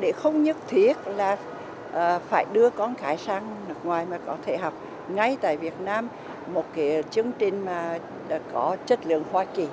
để không nhất thiết là phải đưa con cái sang nước ngoài mà có thể học ngay tại việt nam một cái chương trình mà đã có chất lượng hoa kỳ